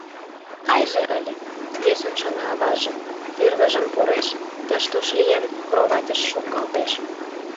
Кайже ыле...» — йӧсын шона аваже, тӱрвыжым пуреш, тыш-туш лийын, кроватьыш шуҥгалтеш.